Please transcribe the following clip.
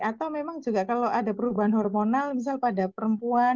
atau memang juga kalau ada perubahan hormonal misal pada perempuan